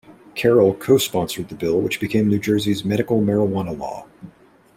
Carroll co-sponsored the bill which became New Jersey's medical marijuana law.